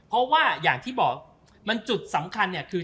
เพราะว่าอย่างที่บอกมันจุดสำคัญเนี่ยคือ